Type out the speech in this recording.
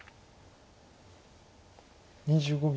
２５秒。